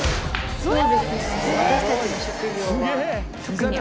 すごい。